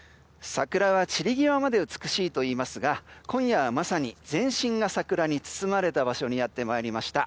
桜は散り際まで美しいといいますが今夜はまさに全身が桜に包まれた場所にやってまいりました。